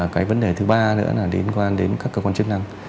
cái vấn đề thứ ba nữa là liên quan đến các cơ quan chức năng